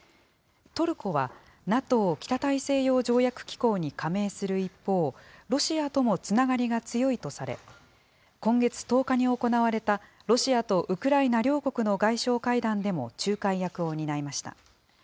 トルコは、ＮＡＴＯ・北大西洋条約機構に加盟する一方、ロシアともつながりが強いとされ、今月１０日に行われた、ロシアとウクライナ両国の外相会談でも仲介役を担いました。